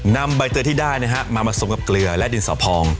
นำใบเตยที่ได้นะฮะมาผสมกับเกลือและดินสอพอง